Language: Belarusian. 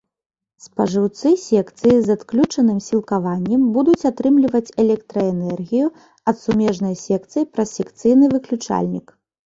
Спажыўцы секцыі з адключаным сілкаваннем будуць атрымліваць электраэнергію ад сумежнай секцыі праз секцыйны выключальнік.